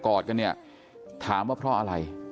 อดกันเนี่ยถามว่าเพราะอะไร